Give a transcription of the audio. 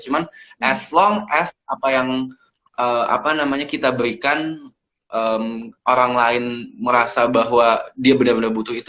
cuman as long as apa yang kita berikan orang lain merasa bahwa dia benar benar butuh itu